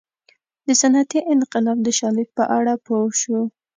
د صنعتي انقلاب د شالید په اړه پوه شو.